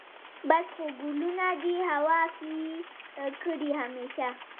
بس خو ګلونه دي هوا کې یې کرې همیشه